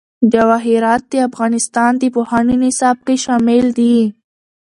جواهرات د افغانستان د پوهنې نصاب کې شامل دي.